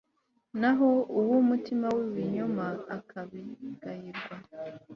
naho uw'umutima w'ibinyoma akabigayirwa